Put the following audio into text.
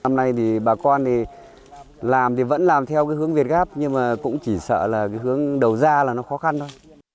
năm nay thì bà con làm thì vẫn làm theo hướng việt gáp nhưng mà cũng chỉ sợ là hướng đầu ra là nó khó khăn thôi